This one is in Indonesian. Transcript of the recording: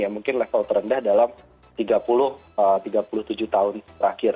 yang mungkin level terendah dalam tiga puluh tujuh tahun terakhir